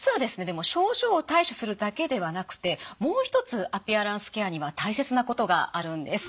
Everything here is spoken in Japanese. でも症状を対処するだけではなくてもう一つアピアランスケアには大切なことがあるんです。